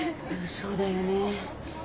そうだよね